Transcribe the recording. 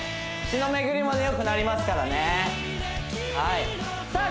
血の巡りもよくなりますからねさあ